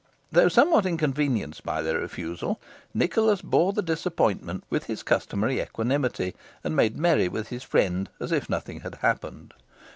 Though somewhat inconvenienced by their refusal, Nicholas bore the disappointment with his customary equanimity, and made merry with his friend as if nothing had happened.